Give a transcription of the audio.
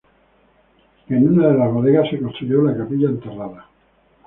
En una de las bodegas se construyó la Capilla Enterrada.